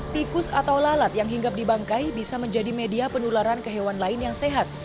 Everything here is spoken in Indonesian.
tikus atau lalat yang hinggap di bangkai bisa menjadi media penularan ke hewan lain yang sehat